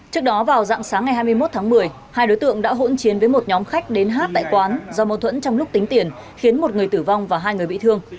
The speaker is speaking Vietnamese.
trước đó vào dạng sáng ngày hai mươi một tháng một mươi hai đối tượng đã hỗn chiến với một nhóm khách đến hát tại quán do mâu thuẫn trong lúc tính tiền khiến một người tử vong và hai người bị thương